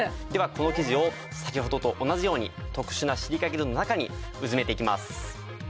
この生地を先ほどと同じように特殊なシリカゲルの中にうずめていきます。